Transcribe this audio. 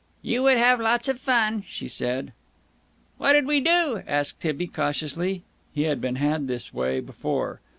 "You would have lots of fun," she said. "What'ud we do?" asked Tibby cautiously. He had been had this way before.